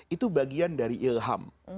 itu bagian dari ilham